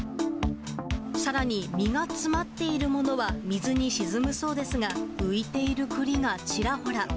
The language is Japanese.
さらに、実が詰まっているものは水に沈むそうですが、浮いている栗がちらほら。